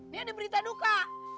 dia ada berita duka